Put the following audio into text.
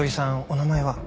お名前は？